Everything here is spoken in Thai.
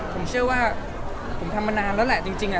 ผมเชื่อว่าผมทำมานานแล้วแหละจริง